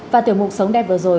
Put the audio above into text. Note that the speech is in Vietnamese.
và tiểu mục sống đẹp vừa rồi